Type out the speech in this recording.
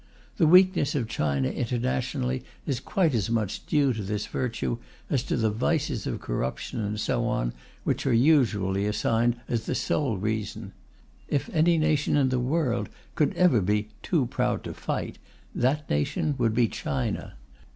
The weakness of China internationally is quite as much due to this virtue as to the vices of corruption and so on which are usually assigned as the sole reason. If any nation in the world could ever be "too proud to fight," that nation would be China.